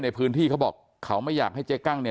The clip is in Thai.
ในพื้นที่เค้าบอกเค้าไม่อยากให้เจ๊กั้งเนี่ย